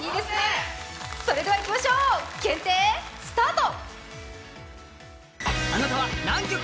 それではいきましょう検定スタート。